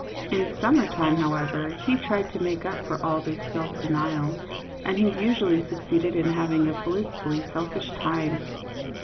In summer time, however, he tried to make up for all this self denial, and he usually succeeded in hav ing a blissfully selfish time.